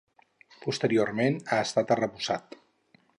Posteriorment ha estat arrebossat.